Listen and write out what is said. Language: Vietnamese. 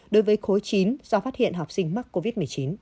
đối với khối chín do phát hiện học sinh mắc covid một mươi chín